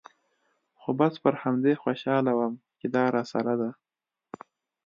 خو بس پر همدې خوشاله وم چې دا راسره ده.